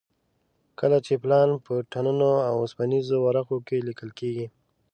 کله چې پلان په ټنونو اوسپنیزو ورقو کې لیکل کېږي.